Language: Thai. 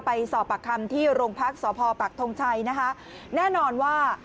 ไปสอบปากคำที่โรงพักษ์สพปักทงชัยนะคะแน่นอนว่า